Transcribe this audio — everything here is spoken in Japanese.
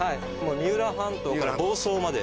三浦半島から房総まで。